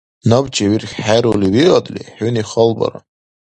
Набчи вирххӀерули виадли, хӀуни халбара.